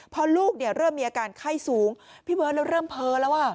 พอลูกเริ่มมีอาการไข้สูงพี่เบิร์ตแล้วเริ่มเพ้อแล้วอ่ะ